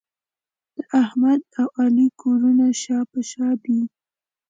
د احمد او علي کورونه شا په شا دي.